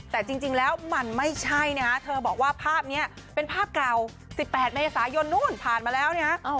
แต่จริงแล้วมันไม่ใช่นะฮะเธอบอกว่าภาพนี้เป็นภาพเก่า๑๘เมษายนนู้นผ่านมาแล้วนะฮะ